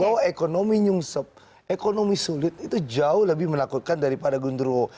bahwa ekonomi nyungsep ekonomi sulit itu jauh lebih menakutkan daripada gundurwo